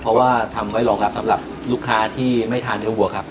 เพราะว่าทำไว้รองรับสำหรับลูกค้าที่ไม่ทานเนื้อวัวครับ